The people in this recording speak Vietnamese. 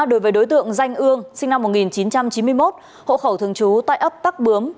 đối với đối tượng danh ương sinh năm một nghìn chín trăm chín mươi một hộ khẩu thường trú tại ấp tắc bướm